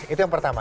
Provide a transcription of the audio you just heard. itu yang pertama